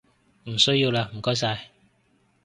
唔需要喇唔該晒